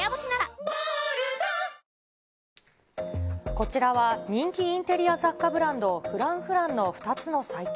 こちらは、人気インテリア雑貨ブランド、Ｆｒａｎｃｆｒａｎｃの２つのサイト。